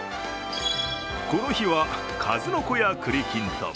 この日は、数の子や栗きんとん